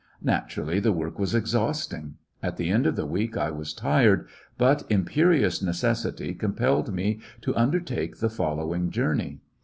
Naturally the work was exhausting. At the end of the week I was tired, but im perious necessity compelled me to undertake the following journey.